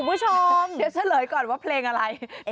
คุณผู้ชมเดี๋ยวเฉลยก่อนว่าเพลงอะไร